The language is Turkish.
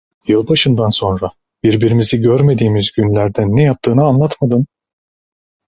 Yılbaşından sonra birbirimizi görmediğimiz günlerde ne yaptığını anlatmadın!